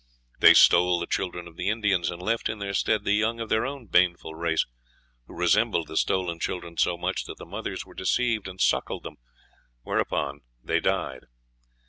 They stole the children of the Indians, and left in their stead the young of their own baneful race, who resembled the stolen children so much that the mothers were deceived and suckled them, whereupon they died.